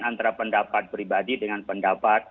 antara pendapat pribadi dengan pendapat